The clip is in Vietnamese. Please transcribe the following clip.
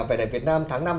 vẻ đẹp việt nam tháng năm này